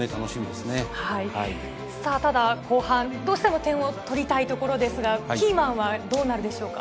さあ、ただ、後半、どうしても点を取りたいところですが、キーマンはどうなるでしょうか。